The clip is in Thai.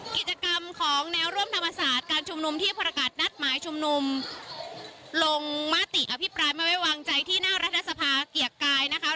กิจกรรมของแนวร่วมธรรมศาสตร์การชุมนุมที่ประกาศนัดหมายชุมนุมลงมติอภิปรายไม่ไว้วางใจที่หน้ารัฐสภาเกียรติกายนะคะ